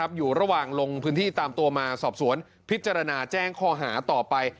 อยู่ระหว่างลงพื้นที่ตามตัวมาสอบสวนพิจารณาแจ้งข้อหาต่อไป